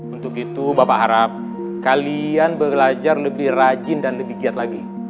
untuk itu bapak harap kalian belajar lebih rajin dan lebih giat lagi